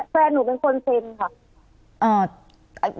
แฟนหนูเป็นคนเซ็นค่ะ